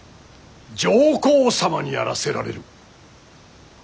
上皇様にあらせられる。